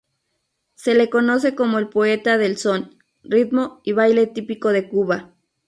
Se le conoce como el poeta del son, ritmo y baile típico de Cuba.